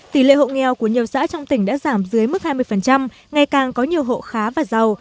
tỷ lệ hộ nghèo của nhiều xã trong tỉnh đã giảm dưới mức hai mươi ngày càng có nhiều hộ khá và giàu